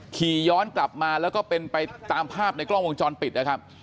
ขี่ย้อนกลับมาแล้วก็เป็นไปตามภาพในกล้องวงจรปิดนะครับ